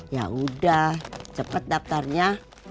ya udah cepet daftarnya